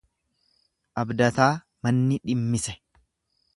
Abdataa manni dhimmise.